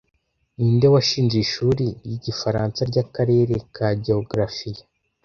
Ninde washinze Ishuri ryigifaransa ryakarere ka geografiya